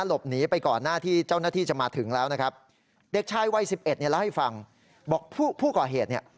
หลบหนีไปก่อนหน้าที่เจ้าหน้าที่จะมาถึงแล้วนะครับเด็กชายวัยสิบเอ็ดเนี่ยเล่าให้ฟังบอกผู้ก่อเหตุเนี่ย